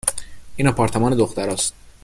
!این آپارتمان دخترهاست